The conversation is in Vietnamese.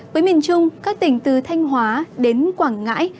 với miền trung các tỉnh từ thanh hóa đến quảng ngãi